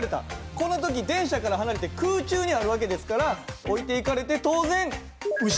この時電車から離れて空中にある訳ですから置いていかれて当然後ろに落ちると。